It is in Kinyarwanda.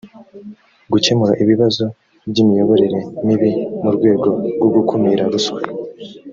gukemura ibibazo by imiyoborere mibi mu rwego rwo gukumira ruswa